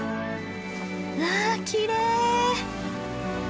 わあきれい！